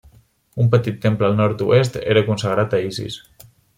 Un petit temple al nord-oest era consagrat a Isis.